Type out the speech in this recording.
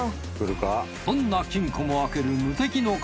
どんな金庫も開ける無敵の鍵